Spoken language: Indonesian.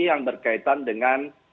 yang berkaitan dengan